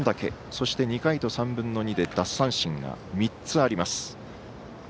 そして、２回と３分の２で奪三振も３つあります。